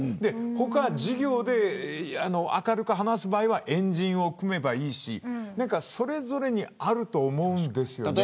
他は、授業で明るく話す場合は円陣を組めばいいしそれぞれにあると思うんですよね。